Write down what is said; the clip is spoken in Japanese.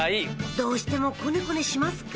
どうしてもこねこねしますか！